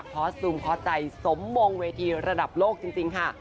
เพราะซุมเข้าใจสมมงค์เวทีระดับโลกจริงค่ะ